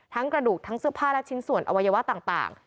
กระดูกทั้งเสื้อผ้าและชิ้นส่วนอวัยวะต่าง